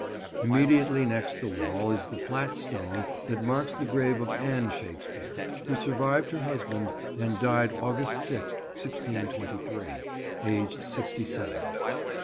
Immediately next the wall is the flat stone that marks the grave of Anne Shakespeare, who survived her husband, and died August 6th, 1623, aged sixty seven.